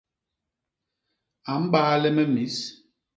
A mbaale me mis.